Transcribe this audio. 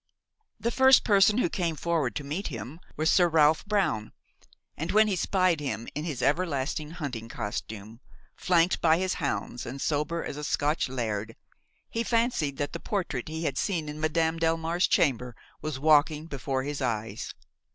The first person who came forward to meet him was Sir Ralph Brown, and when he spied him in his everlasting hunting costume, flanked by his hounds and sober as a Scotch laird, he fancied that the portrait he had seen in Madame Delmare's chamber was walking before his eyes.